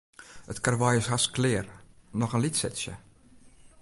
It karwei is hast klear, noch in lyts setsje.